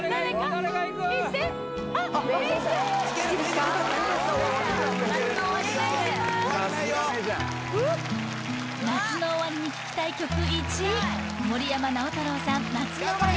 さすがメイちゃん夏の終わりに聴きたい曲１位森山直太朗さん「夏の終わり」